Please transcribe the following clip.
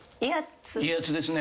威圧ですね。